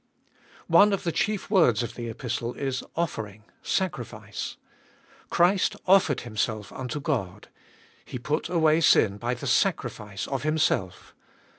ONE of the chief words of the Epistle is offering, sacrifice. Christ " offered Himself unto God." " He put away sin by the sacrifice of Himself."